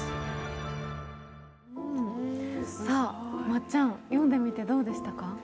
まっちゃん、読んでみてどうでしたか？